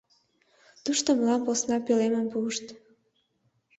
Тушто мылам посна пӧлемым пуышт.